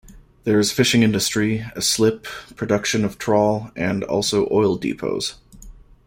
There is fishing-industry, a slip, production of trawl and also oil-depots.